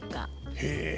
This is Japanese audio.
へえ！